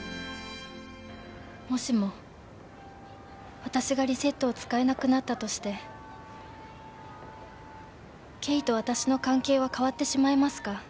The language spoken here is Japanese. もしも私がリセットを使えなくなったとしてあなたと私の関係は変わってしまいますか？